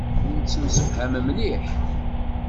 Nettemsefham mliḥ.